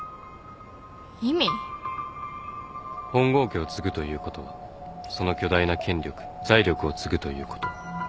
本郷家を継ぐということはその巨大な権力財力を継ぐということ。